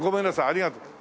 ありがとう。